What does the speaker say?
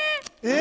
え！